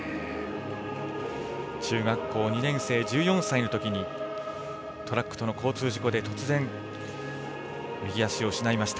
中学校２年生１４歳のときにトラックとの交通事故で突然、右足を失いました。